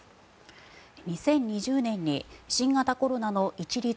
２０２０年に新型コロナの一律